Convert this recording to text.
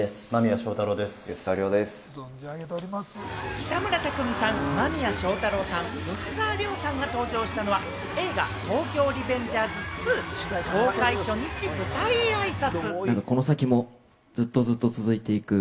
北村匠海さん、間宮祥太朗さん、吉沢亮さんが登場したのは映画『東京リベンジャーズ２』公開初日舞台挨拶。